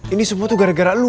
ini semua tuh gara gara lu